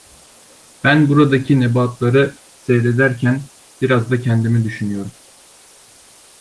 Ben buradaki nebatları seyrederken biraz da kendimi düşünüyorum!